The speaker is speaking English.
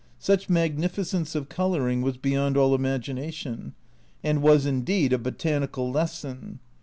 Such magnificence of colouring was beyond all imagination and was indeed a "botanical lesson."